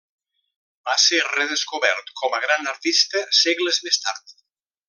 Va ser redescobert com a gran artista segles més tard.